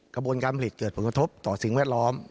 กระบวนการผลิตเกิดผลกระทบต่อสิ่งแวดล้อม